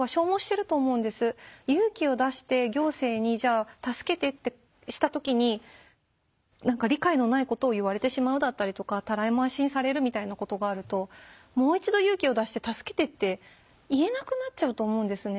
勇気を出して行政にじゃあ助けてってした時に何か理解のないことを言われてしまうだったりとかたらい回しにされるみたいなことがあるともう一度勇気を出して助けてって言えなくなっちゃうと思うんですね。